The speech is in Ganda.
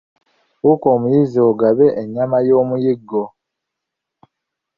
Fuuka omuyizzi ogabe ennyama y'omuyiggo.